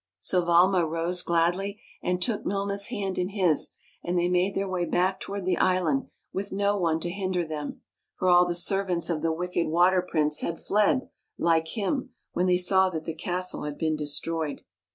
So Valma rose gladly, and took Milna's hand in his, and they made their way back toward the island with no one to hinder them, for all the servants of the wicked Water Prince had fled, like him, when they saw that the castle had been destroyed.